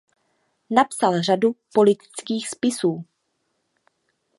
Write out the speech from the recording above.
Napsal řadu politických spisů.